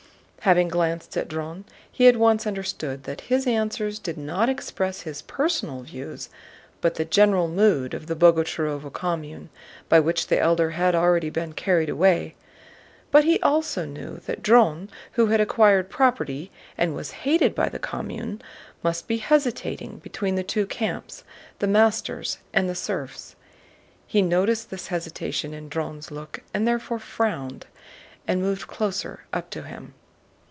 Having glanced at Dron he at once understood that his answers did not express his personal views but the general mood of the Boguchárovo commune, by which the Elder had already been carried away. But he also knew that Dron, who had acquired property and was hated by the commune, must be hesitating between the two camps: the masters' and the serfs'. He noticed this hesitation in Dron's look and therefore frowned and moved closer up to him.